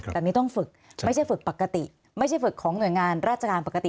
แต่ไม่ต้องฝึกไม่ใช่ฝึกปกติไม่ใช่ฝึกของหน่วยงานราชการปกติ